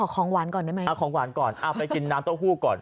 ของหวานก่อนไปกินน้ำเต้าหู้ก่อน